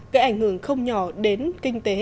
gây ảnh hưởng không nhỏ đến kinh tế